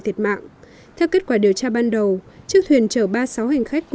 thiệt mạng theo kết quả điều tra ban đầu chiếc thuyền chở ba sáu hành khách